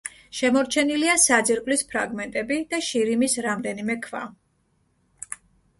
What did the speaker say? შემორჩენილია საძირკვლის ფრაგმენტები და შირიმის რამდენიმე ქვა.